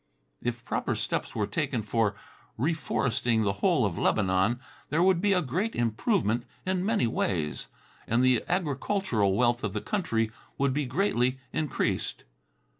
If proper steps were taken for reforesting the whole of Lebanon, there would be a great improvement in many ways, and the agricultural wealth of the country would be greatly increased.